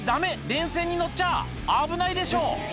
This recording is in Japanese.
電線に乗っちゃ危ないでしょ！